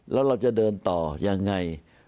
แล้วเราจะเดินต่อยังไง